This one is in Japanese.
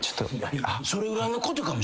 それぐらいのことかも。